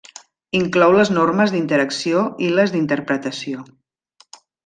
Inclou les normes d’interacció i les d’interpretació.